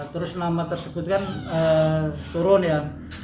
terus nama tersebut kan turun ya